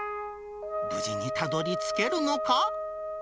無事にたどりつけるのか。